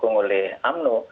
dukung oleh umno